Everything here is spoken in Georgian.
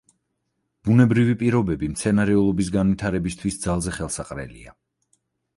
ბუნებრივი პირობები მცენარეულობის განვითარებისთვის ძალზე ხელსაყრელია.